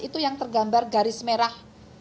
itu yang tergambar garis merah